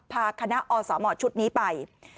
พาคณะอสมชุดนี้ไป